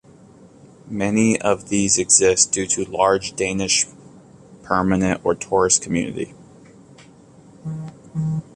Many of these exist due to large Danish permanent or tourist community.